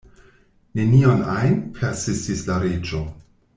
"Nenion ajn?" persistis la Reĝo.